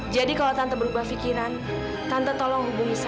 jadi kalau tante berubah fikiran tante tolong hubungi saya